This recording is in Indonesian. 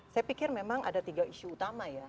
saya pikir memang ada tiga isu utama ya